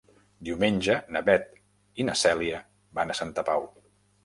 Diumenge na Beth i na Cèlia van a Santa Pau.